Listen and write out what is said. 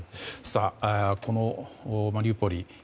このマリウポリ。